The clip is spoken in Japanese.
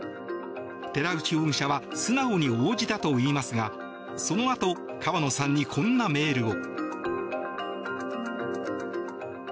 寺内容疑者は素直に応じたといいますがそのあと川野さんにこんなメールを。